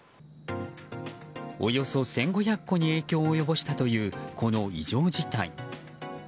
およそ１５００戸に影響を及ぼしたというこの異常事態。